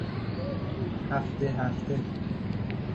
هفته هفته